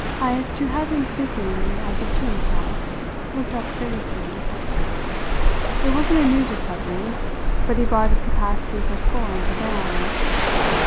Heyst, who had been speaking as if to himself, looked up curiously. "It wasn't a new discovery, but he brought his capacity for scorn to bear on it.